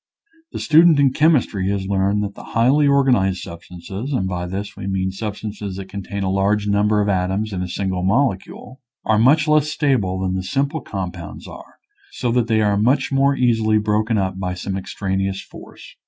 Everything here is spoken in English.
The stu dent in chemistry has learned that the highly organized substances (and by this we mean substances that contain a large number of atoms in a single molecule), are much less stable than the simple compounds are, so that they are much more easily broken up by some extraneous force.